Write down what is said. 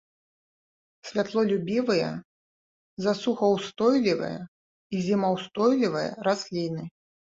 Святлолюбівыя, засухаўстойлівыя і зімаўстойлівыя расліны.